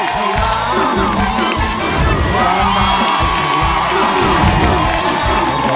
ร้องได้ให้ร้าน